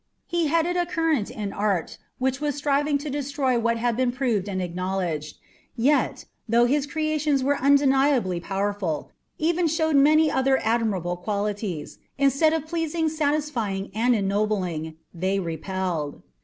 He headed a current in art which was striving to destroy what had been proved and acknowledged, yet, though his creations were undeniably powerful, and even showed many other admirable qualities, instead of pleasing, satisfying, and ennobling, they repelled.